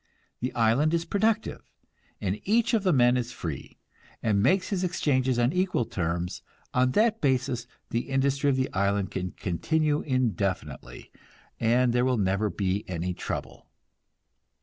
The island is productive, and each of the men is free, and makes his exchanges on equal terms; on that basis the industry of the island can continue indefinitely, and there will never be any trouble.